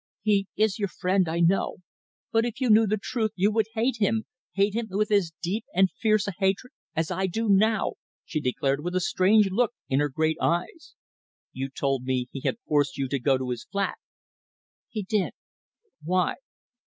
"He is your friend, I know. But if you knew the truth you would hate him hate him, with as deep and fierce a hatred as I do now," she declared, with a strange look in her great eyes. "You told me he had forced you to go to his flat." "He did." "Why?"